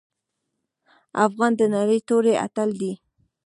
افغان د نرۍ توري اتل دی.